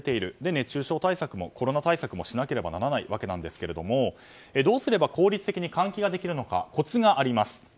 熱中症対策もコロナ対策もしなければならないわけですがどうすれば効率的に換気ができるのかコツがあります。